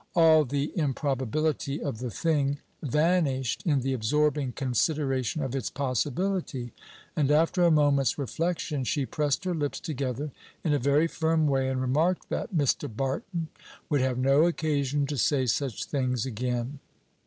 All the improbability of the thing vanished in the absorbing consideration of its possibility; and, after a moment's reflection, she pressed her lips together in a very firm way, and remarked that "Mr. Barton would have no occasion to say such things again."